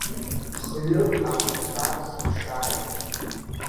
Хҩык аԥацәа сыхшаит.